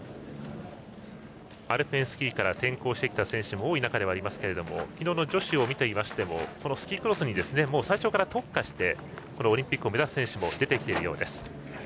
アルペンスキーから転向してきた選手も多い中ですが昨日の女子を見ていましてもスキークロスに最初から特化してオリンピックを目指す選手も出てきているようです。